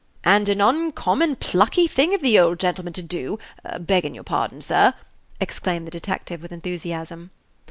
"And an uncommon plucky thing of the old gentleman to do, beggin' your pardon, sir," exclaimed the detective, with enthusiasm.